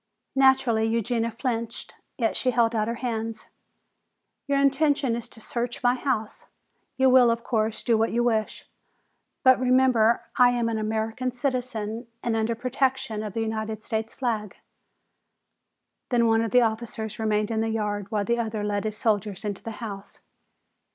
Naturally Eugenia flinched, yet she held out her hands. "Your intention is to search my house. You will, of course, do what you wish. But remember that I am an American citizen and under the protection of the United States flag." Then one of the officers remained in the yard while the other led his soldiers into the house.